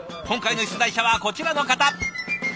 今回の出題者はこちらの方。